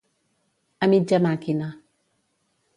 A mitja màquina.